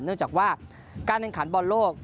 เนื่องจากว่าการแข่งขันบอลโลก